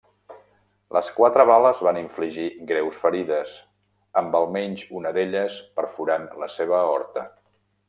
Les quatre bales van infligir greus ferides, amb almenys una d'elles perforant la seva aorta.